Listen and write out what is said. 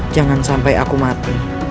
jangan sampai aku mati